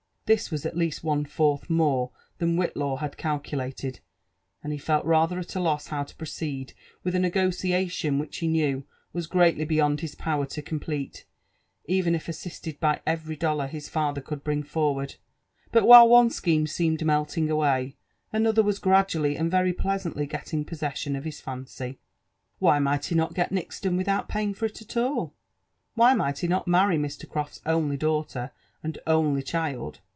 This was at least one fourth more than Whitlaw had calculated, and he felt rather at a loss how to proceed with a negociatlon which he knew was greatly beyond his power to complete, even if assisted by every dollar his father could bring forward. jBut while one scheme seemed melting away, another was gradually and very pleasantly getting possession of his fancy. Why might he not get Nixton with out paying for it at all? Why might he not marry Mr. Croffs only daughter, and only child?